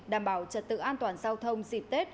đảm bảo trật tự an toàn giao thông dịp tết